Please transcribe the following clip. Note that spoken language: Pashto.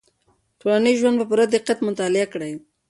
ټولنیز ژوند په پوره دقت مطالعه کړئ.